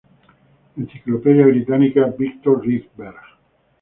Enciclopedia Británica Viktor Rydberg